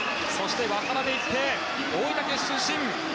渡辺一平大分県出身。